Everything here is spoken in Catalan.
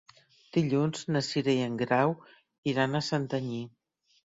Dilluns na Cira i en Grau iran a Santanyí.